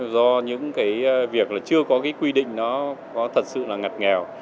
do những việc chưa có quy định thật sự ngặt nghèo